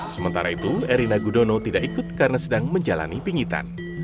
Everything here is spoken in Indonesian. sementara itu erina gudono tidak ikut karena sedang menjalani pingitan